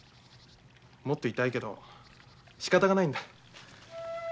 もっといたいけどしかたがないんだ。